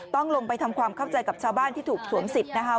ต้องลงไปทำความเข้าใจกับชาวบ้านที่ถูกสวมสิทธิ์นะคะ